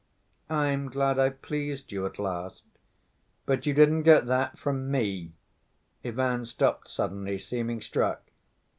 "I am glad I've pleased you at last." "But you didn't get that from me." Ivan stopped suddenly, seeming struck.